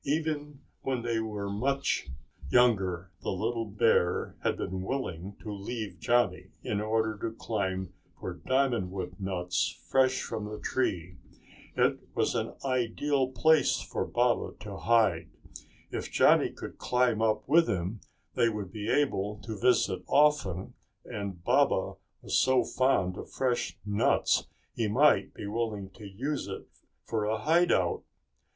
Even when they were much younger the little bear had been willing to leave Johnny in order to climb for diamond wood nuts fresh from the tree. It was the ideal place for Baba to hide. If Johnny could climb up with him they would be able to visit often and Baba was so fond of fresh nuts he might be willing to use it for a hideout.